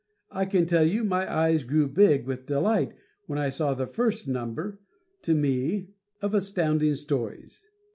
I can tell you my eyes grew big with delight when I saw the first number to me of Astounding Stories.